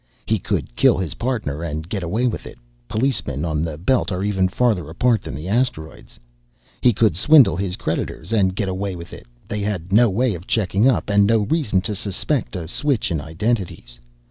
He could kill his partner and get away with it; policemen on the Belt are even farther apart than the asteroids. He could swindle his creditors and get away with it; they had no way of checking up and no reason to suspect a switch in identities.